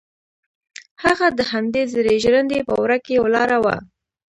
هغه د همدې زړې ژرندې په وره کې ولاړه وه.